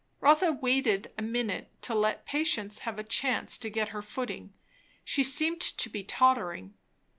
Rotha waited a minute, to let patience have a chance to get her footing; she seemed to be tottering.